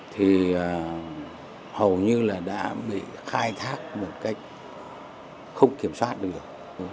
thì hầu như là đã bị khai thác một cách không kiểm soát được